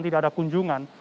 tidak ada kunjungan